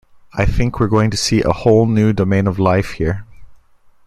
I think we're going to see a whole new domain of life here.